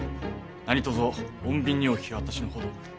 何とぞ穏便にお引き渡しのほどを。